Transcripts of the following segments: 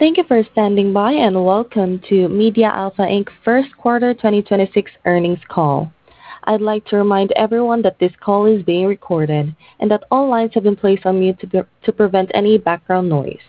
Thank you for standing by, and welcome to MediaAlpha Inc's First Quarter 2026 Earnings Call. I'd like to remind everyone that this call is being recorded and that all lines have been placed on mute to prevent any background noise.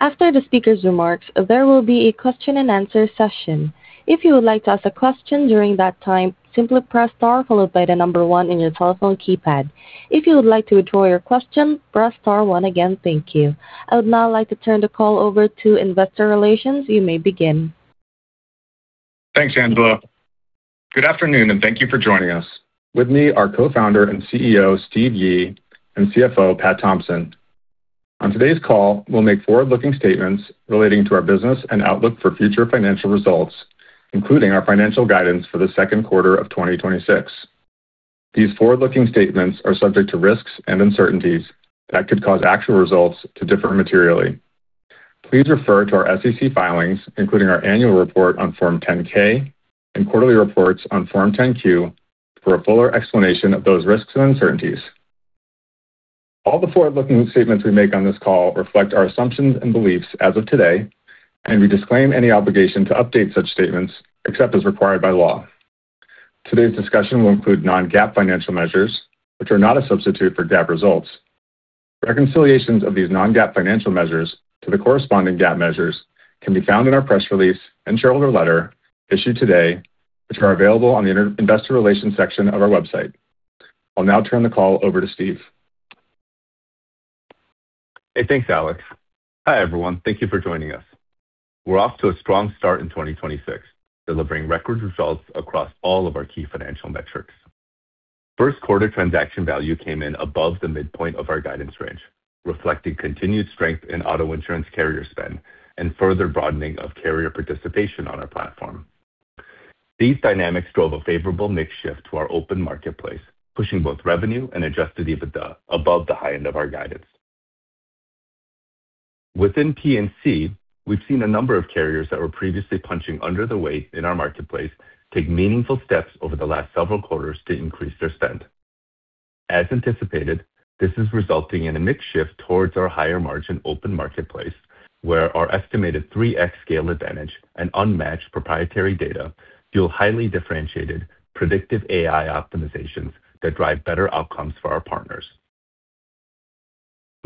After the speaker's remarks, there will be a question-and-answer session. If you would like to ask a question during that time, simply press star followed by the number one on your telephone keypad. If you would like to withdraw your question, press star one again. Thank you. I would now like to turn the call over to Investor Relations. You may begin. Thanks, Angela. Good afternoon. Thank you for joining us. With me are Co-founder and CEO, Steve Yi, and CFO, Pat Thompson. On today's call, we'll make forward-looking statements relating to our business and outlook for future financial results, including our financial guidance for the second quarter of 2026. These forward-looking statements are subject to risks and uncertainties that could cause actual results to differ materially. Please refer to our SEC filings, including our annual report on Form 10-K and quarterly reports on Form 10-Q for a fuller explanation of those risks and uncertainties. All the forward-looking statements we make on this call reflect our assumptions and beliefs as of today. We disclaim any obligation to update such statements except as required by law. Today's discussion will include non-GAAP financial measures, which are not a substitute for GAAP results. Reconciliations of these non-GAAP financial measures to the corresponding GAAP measures can be found in our press release and shareholder letter issued today, which are available on the Investor Relations section of our website. I'll now turn the call over to Steve. Hey, thanks, Alex. Hi, everyone. Thank you for joining us. We're off to a strong start in 2026, delivering record results across all of our key financial metrics. First quarter Transaction Value came in above the midpoint of our guidance range, reflecting continued strength in auto insurance carrier spend and further broadening of carrier participation on our platform. These dynamics drove a favorable mix shift to our open marketplace, pushing both revenue and Adjusted EBITDA above the high end of our guidance. Within P&C, we've seen a number of carriers that were previously punching under the weight in our marketplace take meaningful steps over the last several quarters to increase their spend. As anticipated, this is resulting in a mix shift towards our higher margin open marketplace, where our estimated 3x scale advantage and unmatched proprietary data fuel highly differentiated predictive AI optimizations that drive better outcomes for our partners.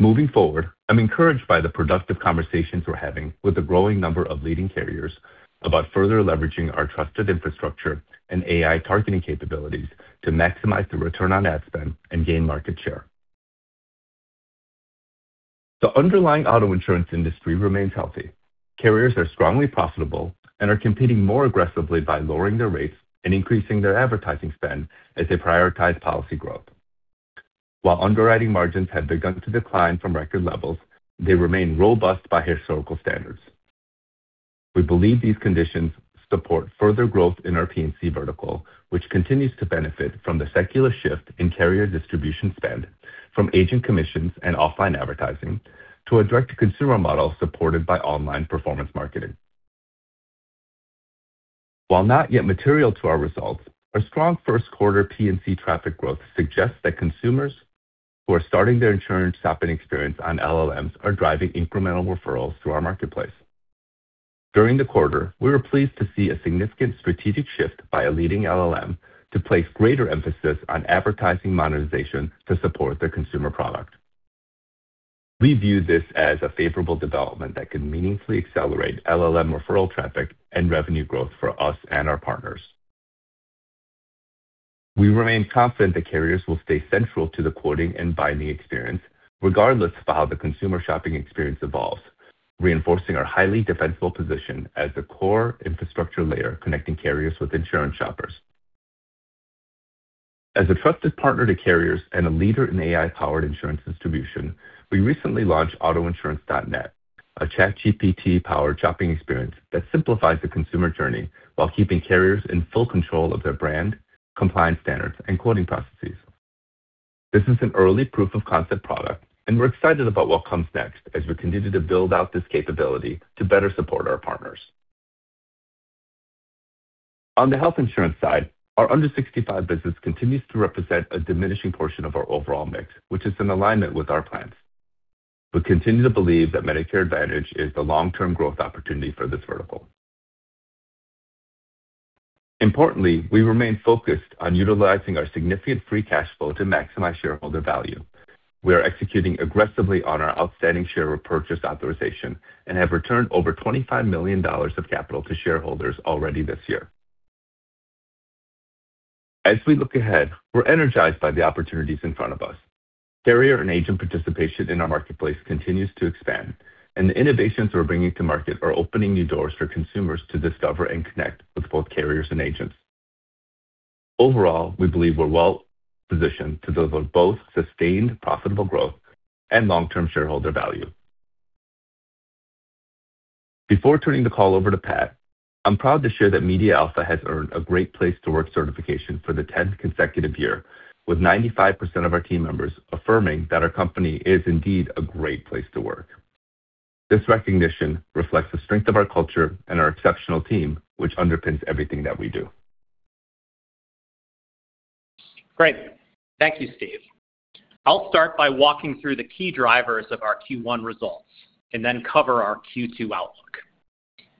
Moving forward, I'm encouraged by the productive conversations we're having with a growing number of leading carriers about further leveraging our trusted infrastructure and AI targeting capabilities to maximize the return on ad spend and gain market share. The underlying auto insurance industry remains healthy. Carriers are strongly profitable and are competing more aggressively by lowering their rates and increasing their advertising spend as they prioritize policy growth. While underwriting margins have begun to decline from record levels, they remain robust by historical standards. We believe these conditions support further growth in our P&C vertical, which continues to benefit from the secular shift in carrier distribution spend from agent commissions and offline advertising to a direct-to-consumer model supported by online performance marketing. While not yet material to our results, our strong first quarter P&C traffic growth suggests that consumers who are starting their insurance shopping experience on LLMs are driving incremental referrals to our marketplace. During the quarter, we were pleased to see a significant strategic shift by a leading LLM to place greater emphasis on advertising monetization to support their consumer product. We view this as a favorable development that could meaningfully accelerate LLM referral traffic and revenue growth for us and our partners. We remain confident that carriers will stay central to the quoting and binding experience regardless of how the consumer shopping experience evolves, reinforcing our highly defensible position as the core infrastructure layer connecting carriers with insurance shoppers. As a trusted partner to carriers and a leader in AI-powered insurance distribution, we recently launched autoinsurance.net, a ChatGPT-powered shopping experience that simplifies the consumer journey while keeping carriers in full control of their brand, compliance standards, and quoting processes. This is an early proof of concept product. We're excited about what comes next as we continue to build out this capability to better support our partners. On the health insurance side, our Under-65 business continues to represent a diminishing portion of our overall mix, which is in alignment with our plans. We continue to believe that Medicare Advantage is the long-term growth opportunity for this vertical. Importantly, we remain focused on utilizing our significant free cash flow to maximize shareholder value. We are executing aggressively on our outstanding share repurchase authorization and have returned over $25 million of capital to shareholders already this year. As we look ahead, we're energized by the opportunities in front of us. Carrier and agent participation in our marketplace continues to expand, and the innovations we're bringing to market are opening new doors for consumers to discover and connect with both carriers and agents. Overall, we believe we're well positioned to deliver both sustained profitable growth and long-term shareholder value. Before turning the call over to Pat, I'm proud to share that MediaAlpha has earned a Great Place to Work certification for the 10th consecutive year, with 95% of our team members affirming that our company is indeed a great place to work. This recognition reflects the strength of our culture and our exceptional team, which underpins everything that we do. Great. Thank you, Steve. I'll start by walking through the key drivers of our Q1 results and then cover our Q2 outlook.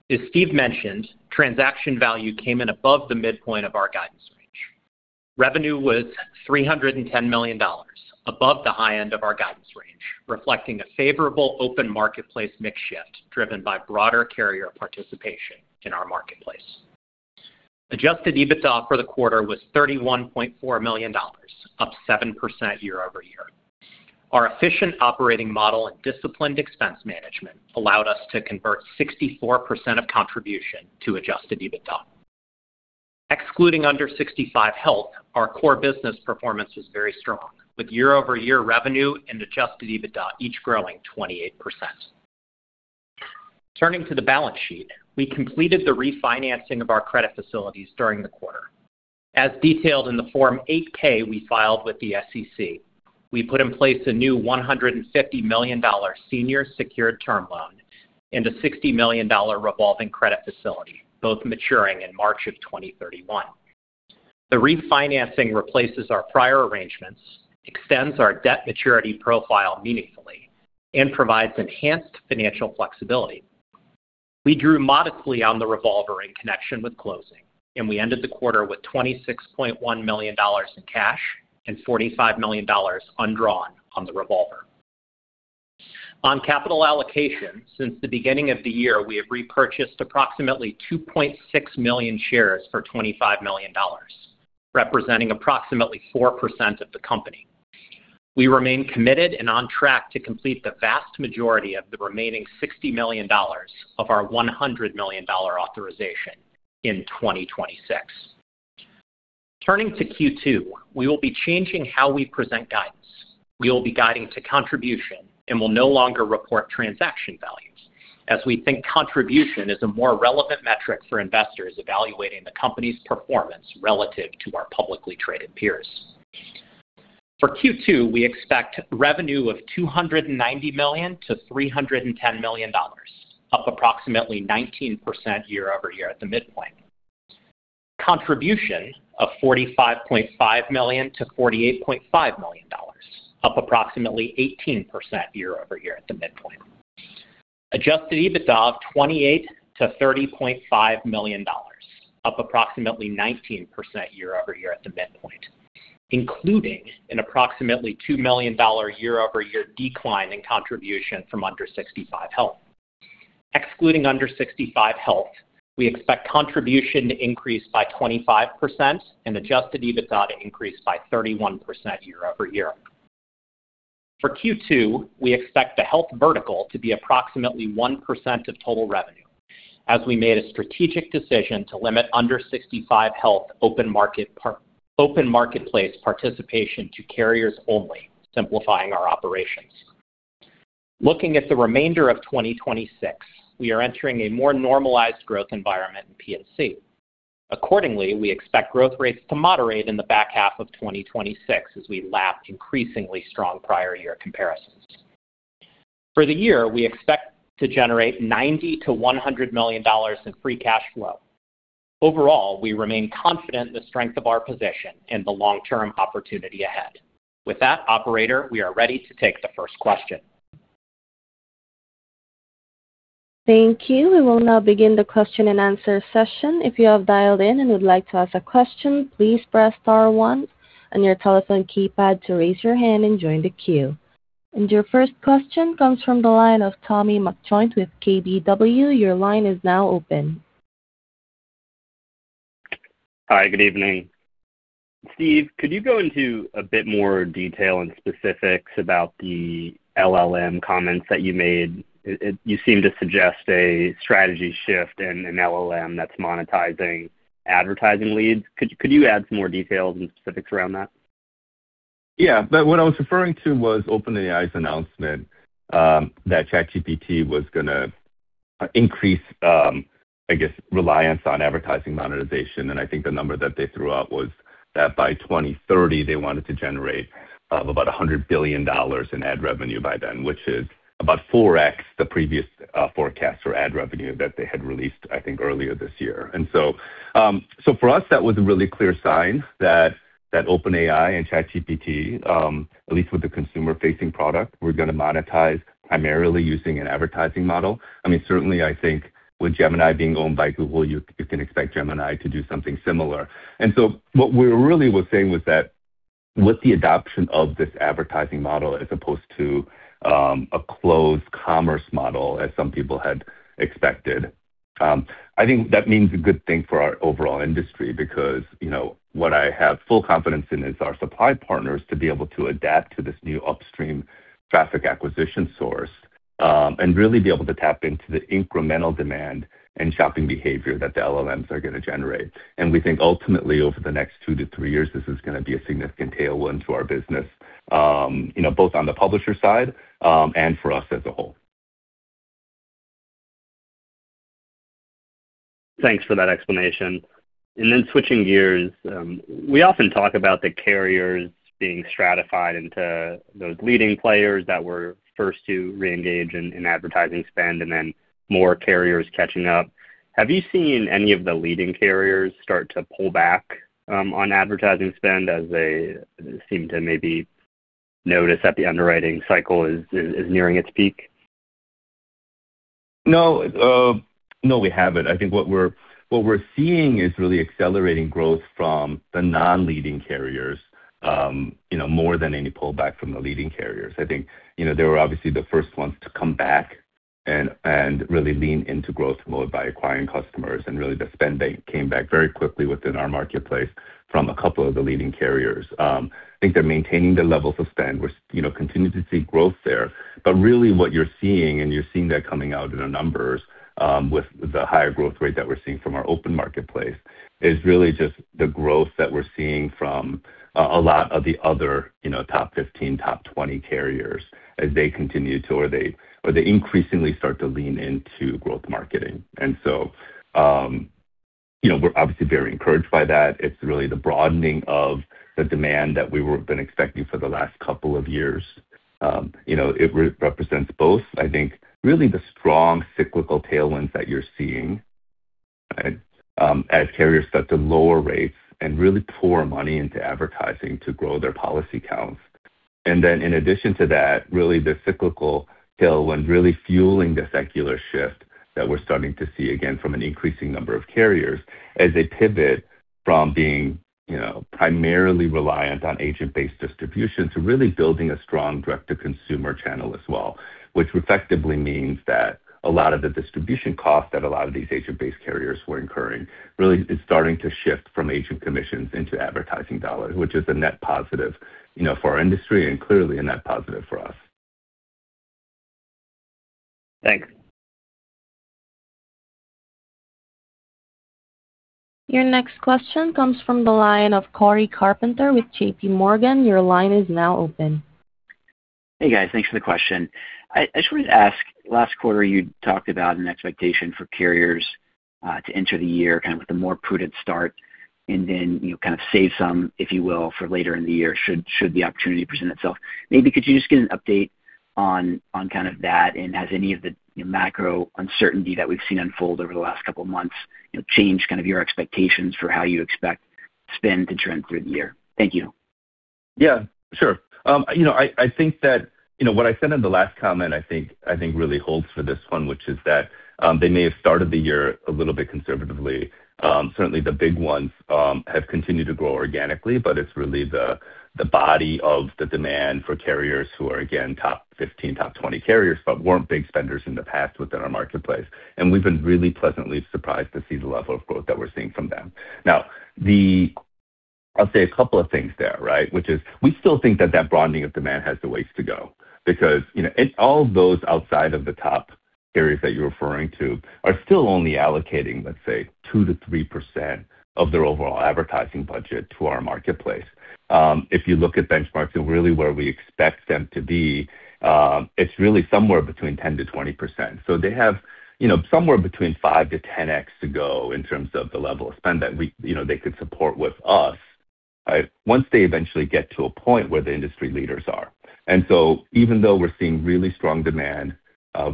As Steve mentioned, Transaction Value came in above the midpoint of our guidance range. Revenue was $310 million, above the high end of our guidance range, reflecting a favorable open marketplace mix shift driven by broader carrier participation in our marketplace. Adjusted EBITDA for the quarter was $31.4 million, up 7% year-over-year. Our efficient operating model and disciplined expense management allowed us to convert 64% of contribution to Adjusted EBITDA. Excluding Under-65 Health, our core business performance was very strong, with year-over-year revenue and Adjusted EBITDA each growing 28%. Turning to the balance sheet, we completed the refinancing of our credit facilities during the quarter. As detailed in the Form 8-K we filed with the SEC, we put in place a new $150 million senior secured term loan and a $60 million revolving credit facility, both maturing in March of 2031. The refinancing replaces our prior arrangements, extends our debt maturity profile meaningfully, and provides enhanced financial flexibility. We drew modestly on the revolver in connection with closing, and we ended the quarter with $26.1 million in cash and $45 million undrawn on the revolver. On capital allocation, since the beginning of the year, we have repurchased approximately 2.6 million shares for $25 million, representing approximately 4% of the company. We remain committed and on track to complete the vast majority of the remaining $60 million of our $100 million authorization in 2026. Turning to Q2, we will be changing how we present guidance. We will be guiding to contribution and will no longer report transaction values, as we think contribution is a more relevant metric for investors evaluating the company's performance relative to our publicly traded peers. For Q2, we expect revenue of $290 million-$310 million, up approximately 19% year-over-year at the midpoint. Contribution of $45.5 million-$48.5 million, up approximately 18% year-over-year at the midpoint. Adjusted EBITDA of $28 million-$30.5 million, up approximately 19% year-over-year at the midpoint, including an approximately $2 million year-over-year decline in contribution from Under-65 Health. Excluding Under-65 Health, we expect contribution to increase by 25% and Adjusted EBITDA to increase by 31% year-over-year. For Q2, we expect the health vertical to be approximately 1% of total revenue, as we made a strategic decision to limit Under-65 Health open marketplace participation to carriers only, simplifying our operations. Looking at the remainder of 2026, we are entering a more normalized growth environment in P&C. Accordingly, we expect growth rates to moderate in the back half of 2026 as we lap increasingly strong prior year comparisons. For the year, we expect to generate $90 million-$100 million in free cash flow. Overall, we remain confident in the strength of our position and the long-term opportunity ahead. With that, operator, we are ready to take the first question. Thank you. We will now begin the question-and-answer session. Your first question comes from the line of Tommy McJoynt with KBW. Your line is now open. Hi, good evening. Steve, could you go into a bit more detail and specifics about the LLM comments that you made? You seem to suggest a strategy shift in an LLM that's monetizing advertising leads. Could you add some more details and specifics around that? Yeah. What I was referring to was OpenAI's announcement that ChatGPT was gonna increase, I guess, reliance on advertising monetization. I think the number that they threw out was that by 2030 they wanted to generate about $100 billion in ad revenue by then, which is about 4x the previous forecast for ad revenue that they had released, I think, earlier this year. For us, that was a really clear sign that OpenAI and ChatGPT, at least with the consumer-facing product, were gonna monetize primarily using an advertising model. I mean, certainly I think with Gemini being owned by Google, you can expect Gemini to do something similar. What we really was saying was that with the adoption of this advertising model as opposed to a closed commerce model, as some people had expected, I think that means a good thing for our overall industry because, you know, what I have full confidence in is our supply partners to be able to adapt to this new upstream traffic acquisition source, and really be able to tap into the incremental demand and shopping behavior that the LLMs are gonna generate. We think ultimately over the next two to three years, this is gonna be a significant tailwind to our business, you know, both on the publisher side, and for us as a whole. Thanks for that explanation. Switching gears, we often talk about the carriers being stratified into those leading players that were first to reengage in advertising spend and then more carriers catching up. Have you seen any of the leading carriers start to pull back on advertising spend as they seem to maybe notice that the underwriting cycle is nearing its peak? No, no, we haven't. I think what we're, what we're seeing is really accelerating growth from the non-leading carriers, you know, more than any pullback from the leading carriers. I think, you know, they were obviously the first ones to come back and really lean into growth mode by acquiring customers and really the spend, they came back very quickly within our marketplace from a couple of the leading carriers. I think they're maintaining their levels of spend. We, you know, continue to see growth there. Really what you're seeing, and you're seeing that coming out in the numbers, with the higher growth rate that we're seeing from our open marketplace, is really just the growth that we're seeing from a lot of the other, you know, top 15, top 20 carriers as they continue to or they increasingly start to lean into growth marketing. You know, we're obviously very encouraged by that. It's really the broadening of the demand that we've been expecting for the last couple of years. You know, it represents both, I think, really the strong cyclical tailwinds that you're seeing, right, as carriers start to lower rates and really pour money into advertising to grow their policy counts. In addition to that, really the cyclical tailwind really fueling the secular shift that we're starting to see again from an increasing number of carriers as they pivot from being, you know, primarily reliant on agent-based distribution to really building a strong direct-to-consumer channel as well. Which effectively means that a lot of the distribution costs that a lot of these agent-based carriers were incurring really is starting to shift from agent commissions into advertising dollars, which is a net positive, you know, for our industry and clearly a net positive for us. Thanks. Your next question comes from the line of Cory Carpenter with JPMorgan. Your line is now open. Hey, guys. Thanks for the question. I just wanted to ask, last quarter you talked about an expectation for carriers to enter the year kind of with a more prudent start and then, you know, kind of save some, if you will, for later in the year should the opportunity present itself. Maybe could you just give an update on kind of that? Has any of the, you know, macro uncertainty that we've seen unfold over the last couple of months, you know, changed kind of your expectations for how you expect spend to trend through the year? Thank you. Yeah, sure. You know, I think that, you know, what I said in the last comment I think really holds for this one, which is that they may have started the year a little bit conservatively. Certainly the big ones have continued to grow organically, but it's really the body of the demand for carriers who are, again, top 15, top 20 carriers, but weren't big spenders in the past within our marketplace. We've been really pleasantly surprised to see the level of growth that we're seeing from them. Now, I'll say a couple of things there, right? Which is we still think that that broadening of demand has a ways to go because, you know, and all of those outside of the top carriers that you're referring to are still only allocating, let's say, 2%-3% of their overall advertising budget to our marketplace. If you look at benchmarks and really where we expect them to be, it's really somewhere between 10%-20%. They have, you know, somewhere between 5x-10x to go in terms of the level of spend that we, you know, they could support with us, right, once they eventually get to a point where the industry leaders are. Even though we're seeing really strong demand,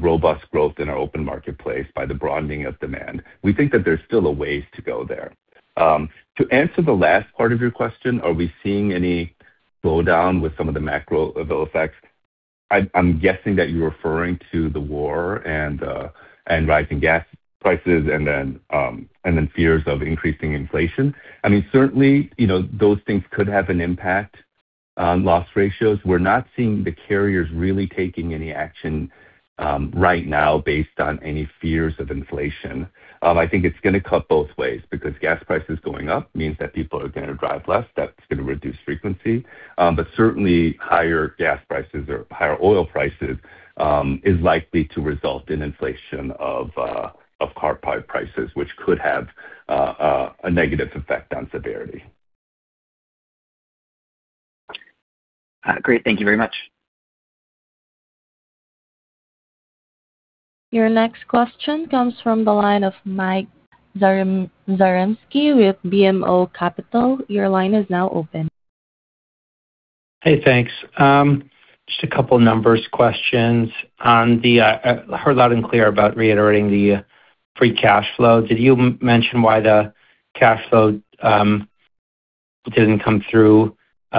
robust growth in our open marketplace by the broadening of demand, we think that there's still a ways to go there. To answer the last part of your question, are we seeing any slowdown with some of the macro effects? I'm guessing that you're referring to the war and rising gas prices and then fears of increasing inflation. I mean, certainly, you know, those things could have an impact on loss ratios. We're not seeing the carriers really taking any action right now based on any fears of inflation. I think it's gonna cut both ways because gas prices going up means that people are gonna drive less. That's gonna reduce frequency. But certainly higher gas prices or higher oil prices is likely to result in inflation of car prices, which could have a negative effect on severity. Great. Thank you very much. Your next question comes from the line of Mike Zaremski with BMO Capital. Your line is now open. Hey, thanks. Just a couple numbers questions. Heard loud and clear about reiterating the free cash flow. Did you mention why the cash flow didn't come through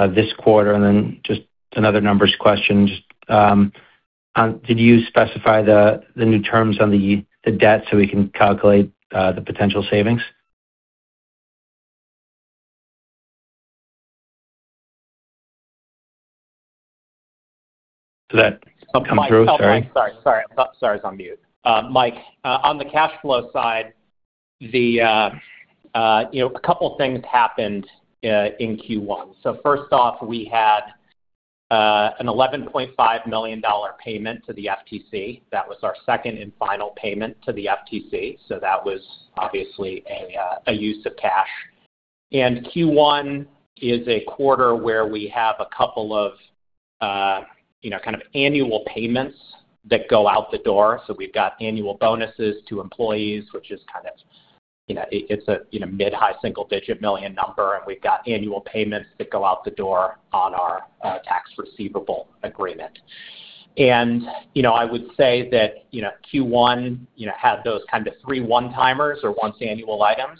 this quarter? Just another numbers question. Just on, did you specify the new terms on the debt so we can calculate the potential savings? Did that come through? Sorry. Mike. Oh, Mike, sorry. I was on mute. Mike, on the cash flow side, the, you know, a couple things happened in Q1. First off, we had a $11.5 million payment to the FTC. That was our second and final payment to the FTC, that was obviously a use of cash. Q1 is a quarter where we have a couple of, you know, kind of annual payments that go out the door. We've got annual bonuses to employees, which is kind of, you know, a, you know, mid-high single-digit million number, and we've got annual payments that go out the door on our tax receivable agreement. You know, I would say that, you know, Q1, you know, had those kind of three one-timers or once annual items.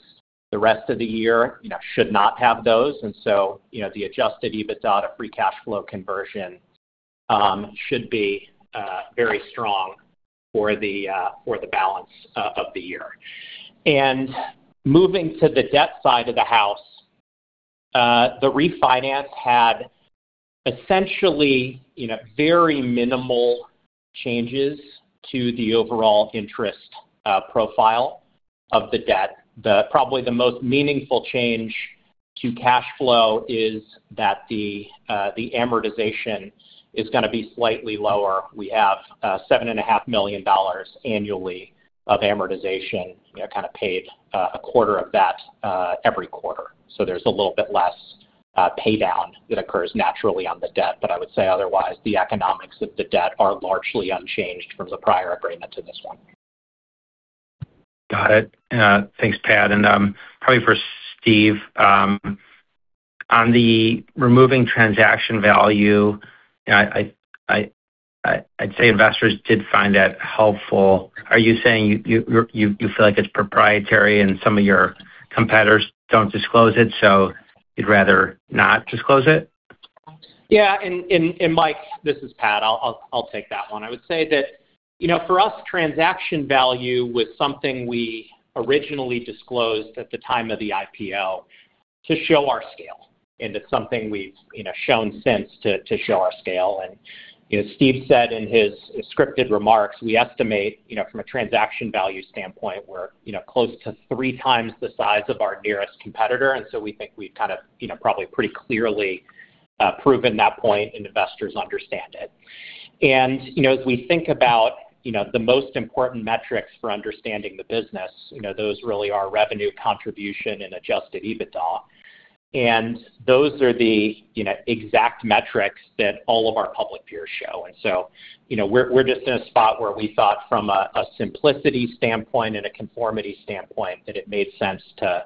The rest of the year, you know, should not have those. You know, the Adjusted EBITDA to free cash flow conversion should be very strong for the balance of the year. Moving to the debt side of the house, the refinance had essentially, you know, very minimal changes to the overall interest profile of the debt. Probably the most meaningful change to cash flow is that the amortization is gonna be slightly lower. We have $7.5 million annually of amortization, you know, kind of paid a quarter of that every quarter. There's a little bit less pay down that occurs naturally on the debt. I would say otherwise, the economics of the debt are largely unchanged from the prior agreement to this one. Got it. Thanks, Pat. Probably for Steve, on the removing Transaction Value, I'd say investors did find that helpful. Are you saying you feel like it's proprietary and some of your competitors don't disclose it, so you'd rather not disclose it? Mike, this is Pat, I'll take that one. I would say that, you know, for us, Transaction Value was something we originally disclosed at the time of the IPO to show our scale, and it's something we've, you know, shown since to show our scale. Steve said in his scripted remarks, we estimate, you know, from a Transaction Value standpoint, we're, you know, close to three times the size of our nearest competitor. So we think we've kind of, you know, probably pretty clearly proven that point and investors understand it. As we think about, you know, the most important metrics for understanding the business, you know, those really are revenue contribution and Adjusted EBITDA. Those are the, you know, exact metrics that all of our public peers show. You know, we're just in a spot where we thought from a simplicity standpoint and a conformity standpoint, that it made sense to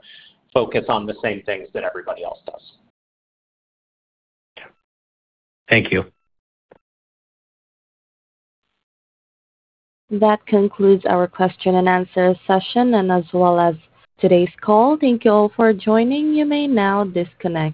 focus on the same things that everybody else does. Thank you. That concludes our question-and-answer session and as well as today's call. Thank you all for joining. You may now disconnect.